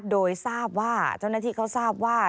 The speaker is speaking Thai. โดยทราบว่าเจ้าหน้าที่เขาทราบว่า